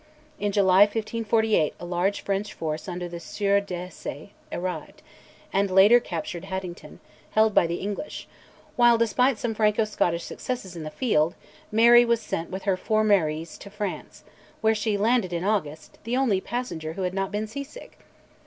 In June 1548 a large French force under the Sieur d'Esse arrived, and later captured Haddington, held by the English, while, despite some Franco Scottish successes in the field, Mary was sent with her Four Maries to France, where she landed in August, the only passenger who had not been sea sick!